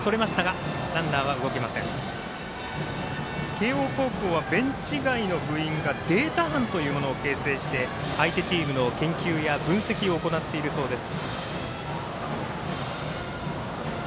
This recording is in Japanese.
慶応高校はベンチ外の部員がデータ班というのを形成して、相手チームの研究や分析を行っているそうです。